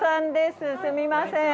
すみません。